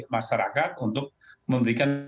masyarakat untuk memberikan